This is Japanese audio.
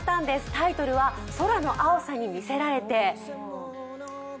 タイトルは「空の青さにみせられて」。